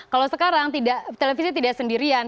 kalau sekarang televisi tidak sendirian